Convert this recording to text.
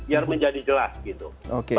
biar menjadi jelas